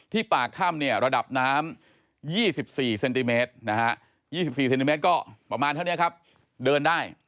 ปากถ้ำเนี่ยระดับน้ำ๒๔เซนติเมตรนะฮะ๒๔เซนติเมตรก็ประมาณเท่านี้ครับเดินได้